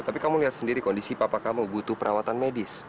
tapi kamu lihat sendiri kondisi papa kamu butuh perawatan medis